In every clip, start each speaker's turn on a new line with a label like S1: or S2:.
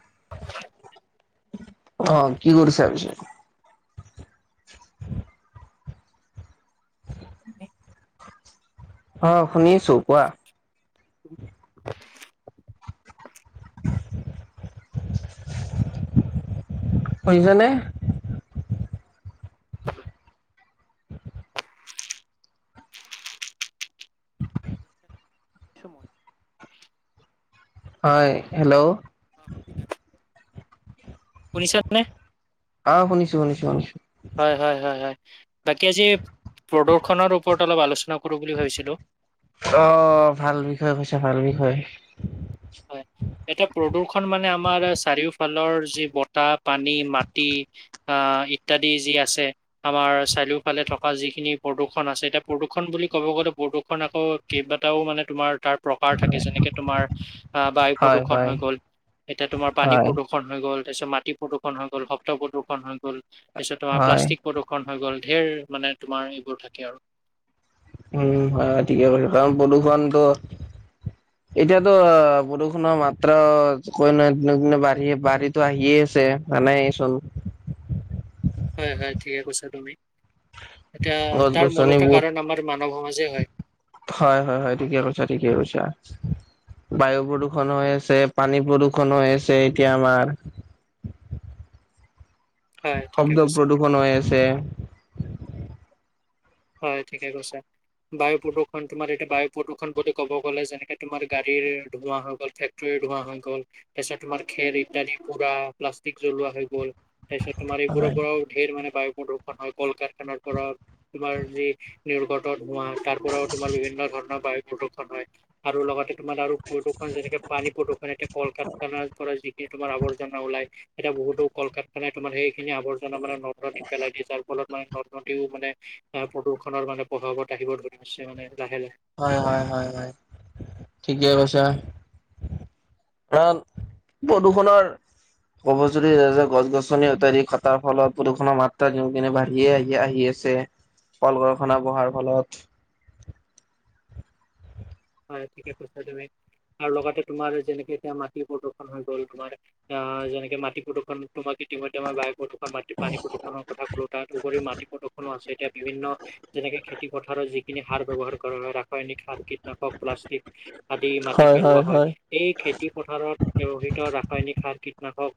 S1: [unintelligible]
S2: অহ কি কৰিছে পিছে? আহ শুনিছো কোৱা? [unintelligible] শুনিছা নে?
S1: কি সময়
S2: হয় হেল্ল'!
S1: শুনিছানে?
S2: অহ শুনিছো শুনিছো শুনিছো।
S1: হয় হয় হয় হয়, বাকী আজি প্ৰদূষনৰ ওপৰত অলপ আলোচনা নকৰো বুলি ভাবিছিলো।
S2: অহ ভাল বিষয়ে কৈছ ভাল বিষয়।
S1: হয়, এটা প্ৰদূষ দুখন আমাৰ চাৰিওফালৰ যি বতাহ, পানী, মাটি বা ইত্যাদি জী ই আছে, আমাৰ চাৰিওফালে থকা যিখিনি প্ৰদূষণ আছে এতিয়া প্ৰদূষণ বুলি ক'ব গলে প্ৰদূষণ অ কেইবাটাও মানে তোমাৰ তাৰ প্ৰকাৰ থাকে, যেনেকে তোমাৰ আহ বায়ু
S2: হয়
S1: প্ৰদূষণ
S2: হয়
S1: হৈ গ'ল, এতিয়া তোমাৰ পানী
S2: হয়
S1: প্ৰদূষণ হৈ গ হল তাৰপিছত মাটি প্ৰদূষণ হৈ গ'ল, শব্দ প্ৰদূষণ হৈ গল, পিছত তোমাৰ
S2: হয়
S1: প্লাষ্টিক প্ৰদূষণ হৈ গ'ল। ঢেৰ মানে তোমাৰ এইবোৰ থাকে আৰু।
S2: উম হয় ঠিকে কৈছে কাৰণ পলোছনটো এতিয়া ত প্ৰদুষুণৰ মাত্ৰা কৈ নহয় দিনক দিনে বাঢ়িয়ে বাঢ়ে তো আহিয়ে ছে মানাই চোন।
S1: হয় হয় ঠিকে কৈছা তুমি, এতিয়া
S2: গছ
S1: তাৰ
S2: গছনি
S1: মূলত
S2: বহুত
S1: কাৰণ আমাৰ মান মানৱ সমাজেই হয়।
S2: হয় হয় হয় ঠিকে কৈছা ঠিকেই কৈছা। বায়ু প্ৰদূষন হৈ আছে, পানী প্ৰদূষন হৈ আছে এতিয়া আমাৰ।
S1: [inaudible] হয় ঠিকে
S2: শব্দ
S1: কৈছা।
S2: প্ৰদূষণ হৈ আছে
S1: হয় ঠিকে কৈছা। বায়ু প্ৰদূষণ, তোমাৰ এতিয়া বায়ু প্ৰদূষণ বুলি ক'ব গলে যেনেকে তোমাৰ গাড়ীৰ ধোঁৱা হৈ গল, ফেক্টৰী ধোৱা হৈ গল, তাৰপিছত তোমাৰ খেৰ ইত্যাদি পুৰা প্লাষ্টিক জ্বলোৱা হৈ গল। তাৰপিছত তোমাৰ এইবোৰৰ
S2: হয়
S1: পৰাও ধেৰ মানে বায়ু প্ৰদূষন হয় কল কাৰখানাৰ পৰা তোমাৰ যি নিৰ্ঘট ধোঁৱা, তাৰপৰাও তোমাৰ বিভিন্ন ধৰণৰ বায়ু প্ৰদূষণ হয় আৰু লগতে তোমাৰ আৰু প্ৰদূষণ যেনেকে, পানী প্ৰদূষণ এতিয়া কল কাৰখানাৰ পৰা যিখিনি তোমাৰ আৱৰ্জনা ওলায় এতিয়া বহুতো কল -কাৰখানাই তোমাৰ সেইখিনি আৱৰ্জনা মানে নদ নদীত পেলাই দিয়ে, যাৰ ফলত মানে নদীও মানে আহ প্ৰদূষণৰ মানে প্ৰভাৱত আহিব ধৰিছে মানে লাহে লাহে।
S2: হয় হয় হয় হয়, ঠিকে কৈছা। ৰান প্ৰদূষণৰ কব যদি যে গছ -গছনি অতাৰি কটাৰ ফলত প্ৰদূষণৰ মাত্ৰা দিনক দিনে বাঢ়িয়ে আহি আহি আছে। চে, কল কৰখনা বহাৰ ফলত।
S1: [inaudible] হয় ঠিকে কৈছা তুমি। আৰু লগতে তোমাৰ যেনেকে এতিয়া মাটি প্ৰদূষন হৈ গ'ল, তোমাৰ অ যেনেকে মাটি প্ৰদূষন তোমাক ইতিমধ্যে মই বায়ু প্ৰদূষণ মাটি পানী প্ৰদূষণৰ কথা কলো তাত উপৰি মাটি প্ৰদূষণো আছে এতিয়া বিভিন্ন যেনেকে খেতি পথাৰত যিখিনি সাৰ ব্যৱহাৰ কৰা হয় ৰাসায়নিক সাৰ কীটনাশক প্লাষ্টিক আদি মাটিত পেলোৱা হয় এই খেতি পথাৰত ব্যৱহৃত ৰাখ সৈনিক হাৰ কীটনাশক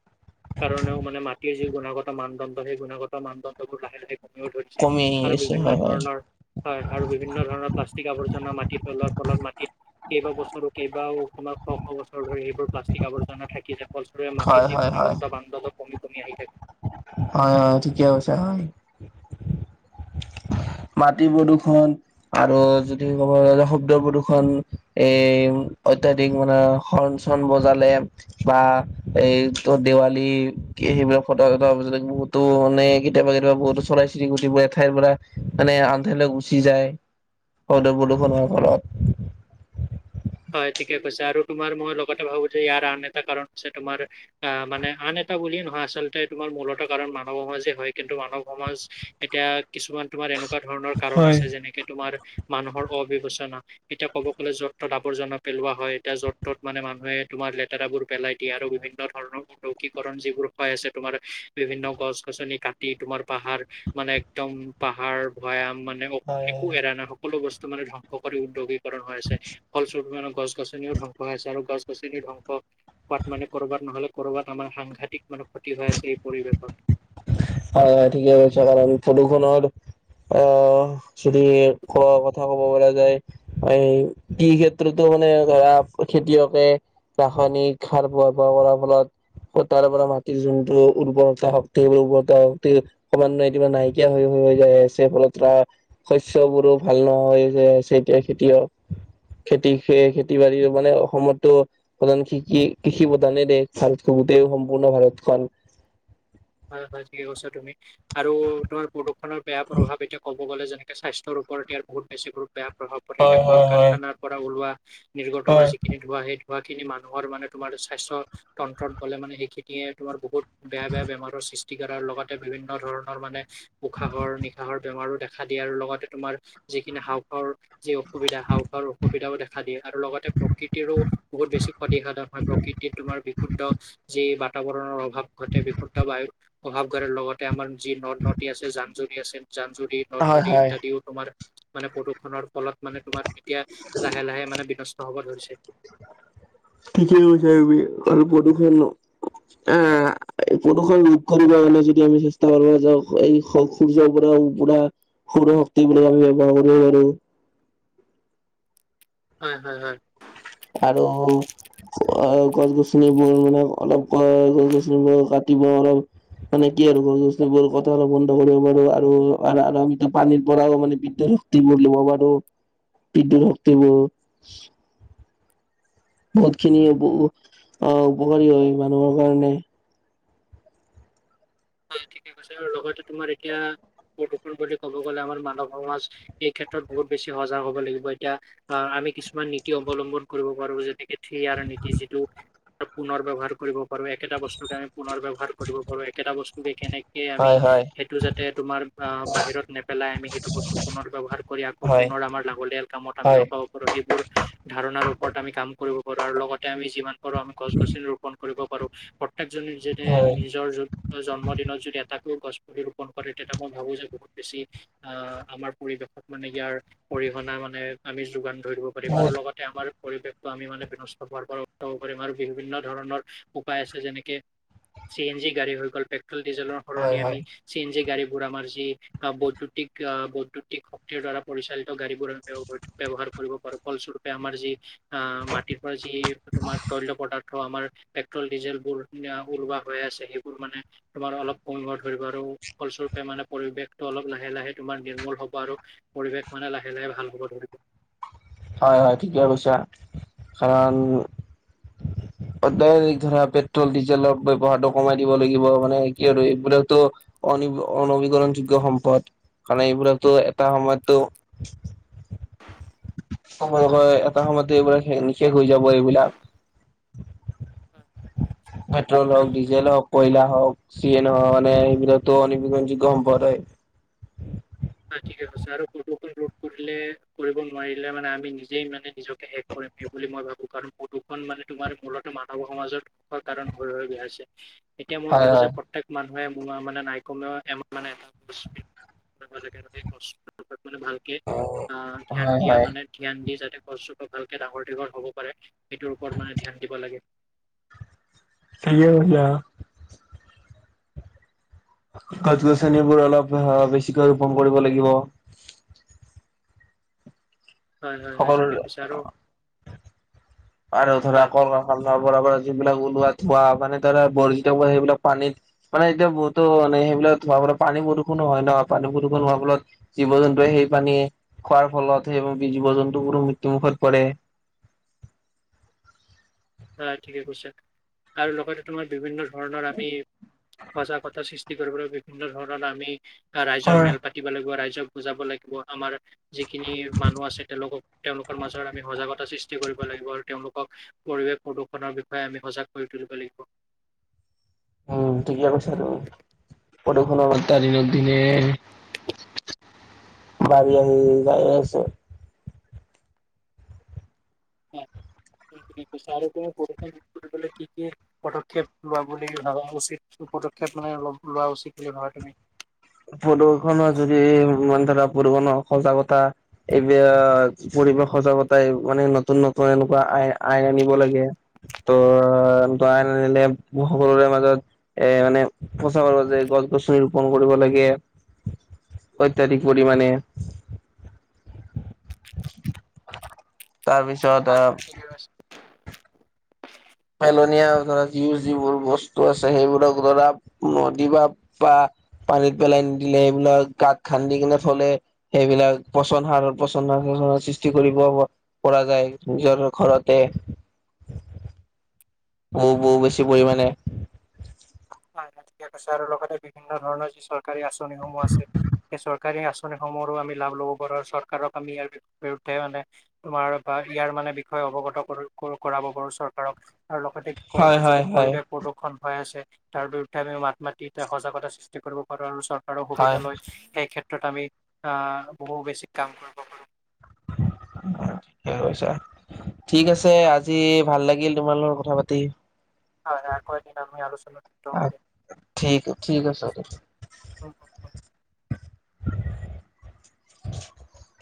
S1: কাৰণেও মানে মাটিৰ যি গুণাগত মানদণ্ড সেই গুণাগত মানদণ্ডবোৰ লাহে লাহে কম ধৰিছে
S2: কমি
S1: আৰু
S2: আহি আছে
S1: বিভিন্ন
S2: হয় হয়
S1: ধৰণৰ হয় আৰু বিভিন্ন ধৰণৰ প্লাষ্টিক আৱৰ্জনা মাটিৰ তলত কেইবা বছৰো কেইবাও তোমাৰ শ শ বছৰ ধৰি এইবোৰ প্লাষ্টিক আৱৰ্জনা থাকি যাব ফলসৰৰে
S2: হয়
S1: মাটিৰ যি
S2: হয় হয়
S1: গুণাগতা বান্ধড কমি কমি আহি থাকে
S2: হয় হয় ঠিকে কৈছে হয় মাটি প্ৰদূৰ্ষন আৰু যদি ক'ব য শব্দ প্ৰদূৰ্ষন এই অত্যাধিক মানে শন চন বজালে বা এইটো দেৱালী কি সেইবিলাক ফটকা চটকা পিছত বহুতো মানে কেতিয়াবা কেতিয়াবা বহুতো চৰাই চিৰিকটি বোৰ এঠাইৰ পৰা মানে আনঠাইলৈ গুচি যায় শদ প্ৰদূষনৰৰ ফলত
S1: হয় ঠিকে কৈছে আৰু তোমাৰ মই লগতে ভাবো যে ইয়াৰ আন এটা কাৰণ হৈছে তোমাৰ অ মানে আন এ এটা বুলিয়ে নহয় আচলতে তোমাৰ মূলত কাৰণ মানৱ সমাজে হয় কিন্তু মানৱ সমাজ এতিয়া কিছুমান তোমাৰ এনেকুৱা ধৰণৰ কাৰণ
S2: হয়।
S1: আছে যেনেকে তোমাৰ মানুহৰ অবিবেচনা তেতিয়া ক'ব গ'লে য'ত আৱৰ্জননা পেলোৱা হয় এতিয়া য' তত মানে মানুহে তোমাৰ লেতেৰাবোৰ পেলাই দিয়ে আৰু বিভিন্ন ধৰণৰ কৰণ যিবোৰ হৈ আছে তোমাৰ বিভিন্ন গছ গছনি কাটি তোমাৰ পাহাৰ মানে একদম পাহাৰ ভৈয়াম মানে
S2: হয়
S1: একো
S2: হয়
S1: এৰা নাই সকলো বস্তু মানে ধ্বংস কৰি উদ্যোগীকৰণ হৈ আছে। বিভিৰ গছ গছনিও ধ্বংস খাইছে আৰু গছ গছনি ধ্বংস। কাত মানে কৰবাত নহ'লে কৰবাত আমাৰ সাংঘাতিক মানে ক্ষতি হৈ আছে এই পৰিৱেশত।
S2: হয় ঠিকেই কৈছ কাৰণ প্ৰদুষণ হল আহ। যদি ক কথা ক'ব গলে। এ এই এই ক্ষেত্ৰতো মানে ধৰা খেতিয়কে। ৰাসায়নিক সাৰ ব্যৱহাৰ কৰাৰ ফলত সূতাৰ পৰা মাটিৰ জোনটো উৰ্বৰতা হ। সেইবোৰ কমানয়ে একা নাইকিয়া হৈ হৈ যায় আছে ফলত শস্যবোৰত। ভাল নহয় যে চেতিয়া খেতিয়ক। খেতি খ খেতি বাতি মানে অসমতো প্ৰধান কৃষি কৃষি প্ৰধানে দেশ ভাৰত। দেও সম্পূৰ্ণ ভাৰতখন।
S1: হয় হয় ঠিকে কৈছা তুমি আৰু তোমাৰ প্ৰদূষনৰ বেয়া প্ৰভাৱ এতিয়া ক'ব। ক'ব গ'লে যেনেক স্বাস্থ্যৰওপৰত ইয়াৰ বহুত বেছি বেয়া প্ৰভ প
S2: হয়
S1: এতিয়া কল
S2: হয় হয়
S1: কাৰখানাৰ পৰা ওলোৱা। নিৰ্গত হোৱা
S2: হয়
S1: যিখিনি ধোৱা সেই। ধোৱা খিনি মানুহৰ মানে তোমাৰ স্বাস্থ তন্ত্ৰত গ'লে মানে সেইখিনিয়ে তোমাৰ বহুত বেয়া বেয়া বেমাৰ। সৃষ্টি কৰাৰ লগতে বিভিন্ন ধৰণৰ মানে উশাহৰ নিশাহৰ বেমাৰো দেখা। খা দিয়ে আৰু লগতে তোমাৰ যিখিনি হাও খৰ। যি অসুবিধা হাঁওফাঁওৰ অসুবিধাও দেখা দিয়ে আৰু লগতে প্ৰকৃতিৰো বহুত বেছি ক্ষতি সাধন হয় প্ৰকৃতি। এ তোমাৰ বিশুদ্ধ যি বা। বাতাবৰণৰ অভাৱ ঘটে বিশুদ্ধ বায়ু অভাৱ ঘটে লগতে আমাৰ যি নদ নদী আছে জান জৰি আছে। জান জুৰি নদ
S2: হয়
S1: নদী
S2: হয়
S1: ইত্যাদিও তোমাৰ মানে প্ৰদূষণৰ ফলত। মানে তোমাৰ এতিয়া লাহে লাহে মানে বিনষ্ট হব ধৰিছে।
S2: ঠিকেই কৈছে আপুনি। হেল্ল'। অ প্ৰদূষণ ৰোধ কৰিব কাৰণে যদি আমি চেষ্টা কৰিব যাওক এই সূৰ্যৰ ওপৰত। পুৰা শৌৰ শক্তি বুলি আমি ব্যৱহাৰ কৰিব পাৰো।
S1: হয় হয় হয়।
S2: আৰু। অ গছ গছনিবোৰ মানে অলপ গছ গছনিবোৰ কাটিব অলপ। মানে কি আৰু গছ গছ বোৰ কথা অলপ বন্ধ কৰিব পাৰো আৰু আমিতো পানীৰ পৰাও মানে বিদ্যুত। শক্তি বলোবাৰো বিদ্যুত শক্তি ব। বহুত খিনি আহ উপকাৰী হয় মানুহৰ কাৰণে।
S1: হয় ঠিকে কৈছে আৰু লগতে তোমাৰ এতিয়া। প্ৰদূষণ বুলি ক'ব গ'লে আমাৰ মানৱ সমাজ এই ক্ষেত্ৰত বহুত বেছি সজাগ হব লাগিব এতিয়া আ। আমি কিছুমান নীতি অৱলম্বন কৰিব পাৰো যেনেকে থ্ৰআৰ নীতি যিটো। পুনৰ ব ব্যৱহাৰ কৰিব পাৰো একেটা বস্তুকে আমি পুনৰ ব্যৱহাৰ কৰিব পাৰো একেটা বস্তুকে কেনেকে। আমি
S2: হয় হয়
S1: সেইটো যাতে তোমাৰ আহ বাহিৰত নেপেলাই আমি সেইটো বস্তু পুনৰ ব্য়ৱহাৰ কৰি আকৌ।
S2: হয়
S1: আমাৰ লাগলিয়াল কামত আমি
S2: হয়
S1: লগাব পাৰো সেইবোৰ ধাৰণাৰ ওপৰত আমি কাম কৰিব। কৰ আৰু লগতে আমি যিমান পাৰো আমি গছ গছনি ৰৰুপন কৰিব পাৰো। এক জনে যেনে
S2: হয়
S1: নিজৰ যত। জন্ম দিনত যদি এটাকও গছ পুলি ৰোপন কৰে তেতিয়া মই ভাবো যে বহুত বেছি আমাৰ পৰিবেশত। মানে ইয়াৰ অৰিহনাা মানে আমি যোগান ধৰিব পাৰিম আৰু লগতে আমাৰ। পৰিৱেশটো আমি মানে বিন হোৱাৰ পৰা উাব কৰিাৰম আৰু বিভিন্ন ধৰণৰ উপায় আছে যেনেকে। চি এন জি গাড়ী হৈ গ' পেট্ৰল ডিজেলৰ সলনি
S2: হয়
S1: আমি
S2: হয়
S1: চি এন জি গাড়ী। আমাৰ যি বৈদ্যুতিক আ বৈদ্যুতিক শক্তিৰ দ্বাৰা পৰিচালিত গাড়ী বোৰৰ ব্যৱ ব্যৱহাৰ। কৰিব পাৰো ফলস্বৰূপে আমাৰ যি আ মাটিৰ পৰা যি তোমাৰ তৈল পদাৰ। থ আমাৰ পেট্ৰল ডিজেল বোৰ যি ওলোৱা হৈ আছে সেইবোৰ মানে। তোমাৰ অলপ কমিব ধৰিব আৰু ফলস্বৰূপে মানে পৰিৱেশটো অলপ লাহে লাহে তোমাৰ নিৰ্মূল হব আৰু। পৰিৱেশ মানে লাহে লাহে ভাল হ'ব ধৰিব।
S2: হয় হয় ঠিকে কৈছা কাৰণ।
S1: [inaudible]
S2: ডাইৰেক্ট ধৰা পেট্ৰল ডিজেলৰ ব্যৱহাৰটো কমাই দিব লাগিব। মানে কি আৰু এইবোৰাকতো অনবীকৰণযোগ্য সম্পদ। কাৰণ এইবিলাকতো এটা সময়ততো য় হয় এটা সময়তে এইবোৰক নিশেখ- হৈ যাব এইবিলাক, পেট্ৰল হওক
S1: আৰু
S2: ডিজেল হওক। কইলা হওক, চি এন হ এইবিলাক ত অনৱীকৰণযোগ্য সম্পদ হয়।
S1: হয় ঠিকে কৈছে আৰু প্ৰদূষণ ৰোধ কৰিলে কৰিব নোৱাৰিলে মানে আমি নিজেই মানে নিজকে শেষ কৰি- বুলি মই ভাবো। কাৰণ প্ৰদূষণ মানে তোমাৰ মূলত মানৱৰ সমাজত কাৰণ হৈ হৈ বি হৈছে। এতিয়া মই
S2: হয়
S1: ভাবো যে
S2: হয়।
S1: প্ৰত্যেক মানুহ ম মানে নাইকমেও [unintelligible] মানে এটা বস্ত [unintelligible] মানে ভালকে অ ধ্যান
S2: হয়
S1: দিয়া
S2: হয়
S1: মানে ধ্যান দি যাতে বস্তুটো ভালকে ডাঙৰ দীঘল হ'ব পাৰে। সেইটোৰ ওপৰত মানে ধ্যান দিব লাগে।
S2: সে ভয়া [unintelligible] গছ গছনিবোৰ অলপ বেছিকৈ ৰোপন কৰিব লাগিব।
S1: হয় হয় হয়
S2: সকলো
S1: ঠিকে কৈছা আৰু
S2: আৰু‌ ধৰা
S1: হয়
S2: কল কাৰখানাৰ পৰা ওলোৱা যিবিলাক ওলোৱা, ধোৱা, মানে ধৰা বৰজ সেইবিলাক পানী মানে এতিয়া বহুতো মানে সেইবিলাক ধোৱা পৰা পানী প্ৰদূষণ নহয় ন। পানী প্ৰদূষণ হোৱাৰ ফলত জীৱ জন্তুৱে সেই পানীয়ে খোৱাৰ ফলত বি জীৱ জন্তু পুৰো মৃত্যুমুখত পৰে।
S1: [inaudible] হয় ঠিকে কৈছে আৰু লগতে তোমাৰ বিভিন্ন ধৰণৰ আমি সজাগতা সৃষ্টি কৰিবলৈ বিভিন্ন ধৰণৰ আমি ৰাইজৰ
S2: হয়।
S1: মেল পাতিব লাগিব। ৰাইজ- ক বুজাব লাগিব। আমাৰ যিখিনি মানুহ আছে তেওঁলোকক তেওঁলোকৰ মাজত আমি সজাগতা সৃষ্টি কৰি- ব লাগিব আৰু তেওঁলোকক পৰিৱেশ প্ৰদূষণৰ বিষয়ে আমি সজাগ কৰি তুলিব লাগিব।
S2: কদখনম তাৰ দনৰক দিন [unintelligible] বাৰী আহি যায়ে আছে।
S1: হয়। প প [unintelligible] কি কি পদক্ষেপ লোৱা বুলি ভাবা উচিত পদক্ষেপ মানে অলপ লোৱা উচিতে ধৰা তুমি?
S2: প্ৰদূষণৰ যদি মানে ধৰা প্ৰদূষণৰ সজাগতা এইব- সজাগত মানে নতুন নতুন এনেকুৱা আই আন লাগে। ত বা এনে সকলোৰে মাজত এ মানে প্ৰচাৰ কৰে যে গছ -গছনি ৰুপন কৰিব লাগে। কে অত্যাধিক পৰিমাণে [inaudible] তাৰপিছত অহ
S1: তুমি
S2: পেলনীয়া ধৰা যি - যিবোৰ বস্তু আছে সেইবোৰক ধৰা নদী বা- বা পানীত পেলাই নিদিলে সেইবিলাক গাত খান্দি কেনে থলে, সেইবিলাক পচন সাৰত পচন [unintelligible] সৃষ্টি কৰিব পৰা যায় নিজৰ ঘৰতে।
S1: [inaudible]
S2: বহু -বহু বেছি পৰিমানে
S1: হয় -হয় ঠিকে কৈছা আৰু লগতে বিভিন্ন ধৰণৰ যি চৰকাৰী আঁচনিসমূহ আছে সেই চৰকাৰী আঁচনি সমূহৰো লাভ লব পাৰোঁ চৰকাৰক আমি ই বিৰুদ্ধে মানে তোমাৰ ইয়াৰ মানে বিষয়ে অবগত কৰো কৰাব পাৰো চৰকাৰক আৰু লগতে
S2: হয়
S1: কৰবাত যদি
S2: হয় হয়
S1: পৰিৱেশ প্ৰদূষন হৈ আছে তাৰ বিৰুদ্ধে আমি মাত মাতি এ সজাগতা সৃষ্টি কৰিব পাৰোঁ আৰু চৰকাৰৰ
S2: হয়
S1: সুবিধা লৈ সেইক্ষেত্ৰত ক্ষেত্ৰত আমি আহ বহু বেছি কাম কৰিব পাৰোঁ।
S2: হয় ঠিকে কৈছা। ঠিক আছে আজি ভাল লাগ গিল তোমাৰ লগত কথা পাতি।
S1: হয়- হয় আকৌ এদিন আমি আলোচনা [unintelligible]
S2: ঠিক -ঠিক আছে
S1: উম।
S2: [inaudible]